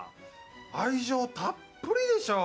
愛情たっぷりでしょ。